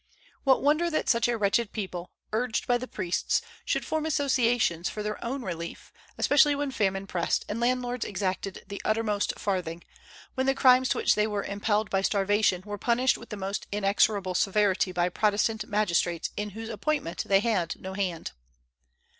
What wonder that such a wretched people, urged by the priests, should form associations for their own relief, especially when famine pressed and landlords exacted the uttermost farthing, when the crimes to which they were impelled by starvation were punished with the most inexorable severity by Protestant magistrates in whose appointment they had no hand!